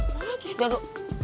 mana tuh si dado